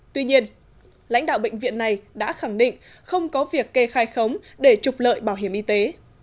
tuy nhiên lãnh đạo bệnh viện này đã khẳng định không có việc kê khai khống để trục lợi bảo hiểm y tế